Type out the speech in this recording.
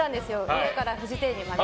家からフジテレビまで。